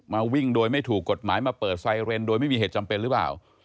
วิ่งโดยไม่ถูกกฎหมายมาเปิดไซเรนโดยไม่มีเหตุจำเป็นหรือเปล่า